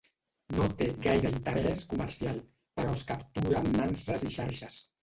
No té gaire interès comercial, però es captura amb nanses i xarxes.